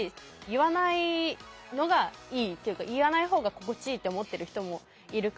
言わないのがいいっていうか言わない方が心地いいって思ってる人もいるから。